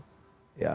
ya ada pertanyaan